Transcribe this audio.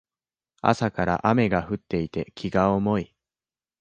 朝から雨が降っていて気が重い